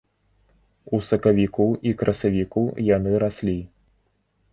У сакавіку і красавіку яны раслі.